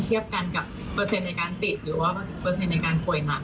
เทียบกันกับเปอร์เซ็นต์ในการติดหรือว่าเปอร์เซ็นต์ในการป่วยหนัก